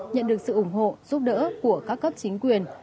nhận được sự ủng hộ giúp đỡ của các cấp chính quyền